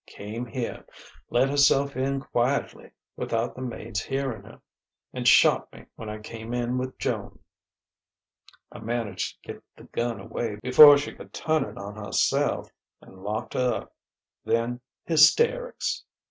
Came here, let herself in quietly, without the maid's hearing her, and shot me when I came in with Joan. I managed to get the gun away before she could turn it on herself, and locked her up. Then hysterics....